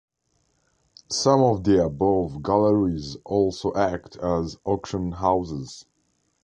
Some of the above galleries also act as auction houses.